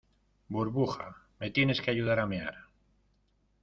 burbuja, me tienes que ayudar a mear.